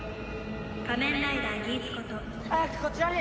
「仮面ライダーギーツこと」早くこちらに！